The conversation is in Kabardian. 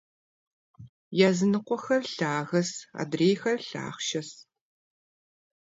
Языныкъуэхэр лъагэщ, адрейхэр лъахъшэщ.